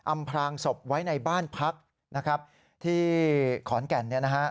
อำพลางศพไว้ในบ้านพักที่ขอนแก่น